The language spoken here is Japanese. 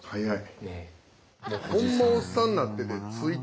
はい。